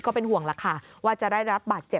ก็เป็นห่วงล่ะค่ะว่าจะได้รับบาดเจ็บ